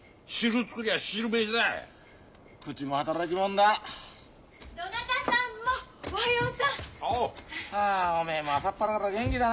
はおめえも朝っぱらから元気だな。